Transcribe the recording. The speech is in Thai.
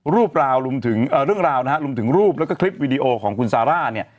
เรื่องราวนะฮะรุ่มถึงรูปแล้วก็คลิปวิดีโอของคุณซาร่าเนี่ย